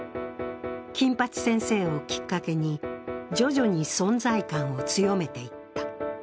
「金八先生」をきっかけに、徐々に存在感を強めていった。